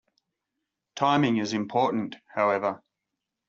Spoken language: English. Timing is important, however.